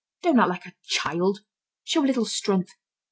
Don't act like a child. Show a little strength.